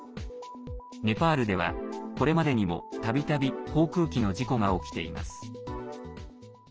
ネパールではこれまでにも、たびたび航空機の事故が起きています。